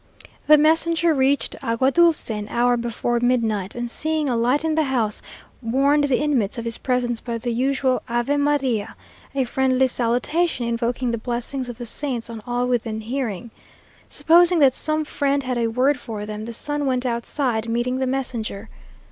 The messenger reached Agua Dulce an hour before midnight, and seeing a light in the house, warned the inmates of his presence by the usual "Ave Maria," a friendly salutation invoking the blessings of the saints on all within hearing. Supposing that some friend had a word for them, the son went outside, meeting the messenger.